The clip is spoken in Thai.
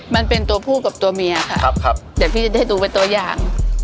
มันเป็นตัวผู้กับตัวเมียค่ะครับเดี๋ยวพี่จะได้ดูเป็นตัวอย่าง